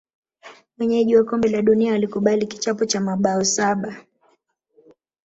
wenyeji wa kombe la dunia walikubali kichapo cha mabao saba